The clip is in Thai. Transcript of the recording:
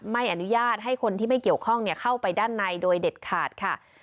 ไม่อนุญาตให้คนที่ไม่เกี่ยวข้องเข้าไปด้านในโดยเด็ดขาดค่ะ